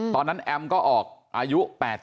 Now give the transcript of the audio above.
ตอนนั้นแอมก็ออกอายุ๘๖